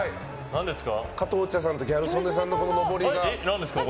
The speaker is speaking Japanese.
加藤茶さんとギャル曽根さんののぼりが。